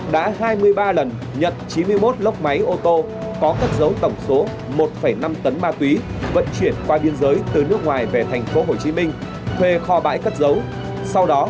đã hai mươi ba lần nhận chín mươi một lốc máy ô tô có cất dấu tổng số một năm tấn ma túy vận chuyển qua biên giới từ nước ngoài về thành phố hồ chí minh thuê kho bãi cất dấu